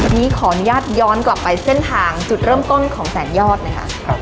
วันนี้ขออนุญาตย้อนกลับไปเส้นทางจุดเริ่มต้นของแสงยอดนะคะ